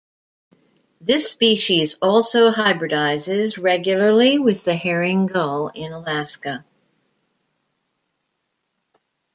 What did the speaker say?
This species also hybridizes regularly with the herring gull in Alaska.